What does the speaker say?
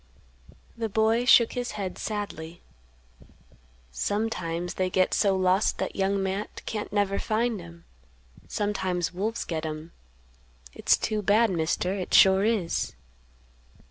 The boy shook his head sadly; "Sometimes they get so lost that Young Matt can't never find 'em; sometimes wolves get 'em; it's too bad, Mister, it sure is."